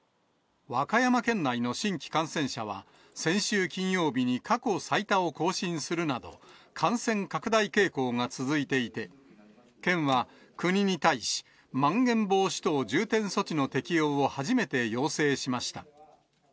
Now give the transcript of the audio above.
和歌山県内の新規感染者は先週金曜日に過去最多を更新するなど、感染拡大傾向が続いていて、県は、国に対し、まん延防止等重点措置の適用を初めて要請しました。